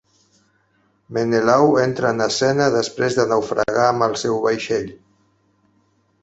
Menelau entra en escena després de naufragar amb el seu vaixell.